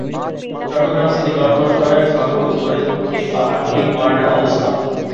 Chittagong city কর্পোরেশনের সর্ব-উত্তরে দক্ষিণ পাহাড়তলী ওয়ার্ডের অবস্থান।